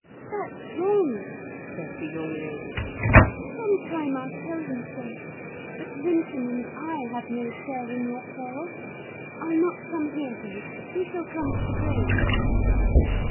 "That's wrong!" said the young lady: "some time I'll tell him so. But Linton and I have no share in your quarrel. I'll not come here, then; he shall come to the Grange."